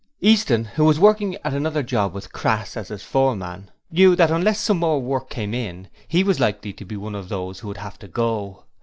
Easton who was working at another job with Crass as his foreman knew that unless some more work came in he was likely to be one of those who would have to go.